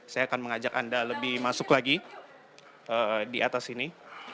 saya akan mengajak anda lebih masuk lagi di atas sini